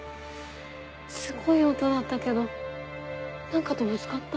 すごい音だったけど何かとぶつかった？